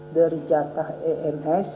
dari jatah ems